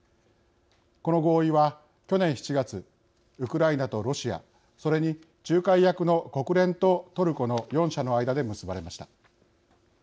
この合意は、去年７月ウクライナとロシアそれに仲介役の国連とトルコの４者の間で結ばれました。